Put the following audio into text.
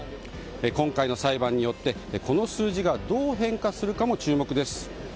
今回の裁判によって、この数字がどう変化するかも注目です。